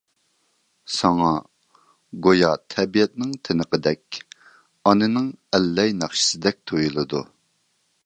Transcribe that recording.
ساڭا گويا تەبىئەتنىڭ تىنىقىدەك، ئانىنىڭ ئەللەي ناخشىسىدەك تۇيۇلىدۇ.